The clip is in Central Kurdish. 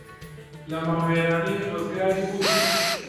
لە ماڵوێرانی ڕزگاری بوو